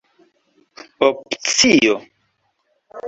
opcio